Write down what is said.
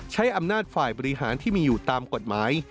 ใช้อำนาจฝ่ายบริหารที่มีอยู่ตามกฎหมาย